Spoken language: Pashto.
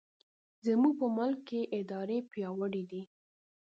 زموږ په ملک کې ادارې پیاوړې دي.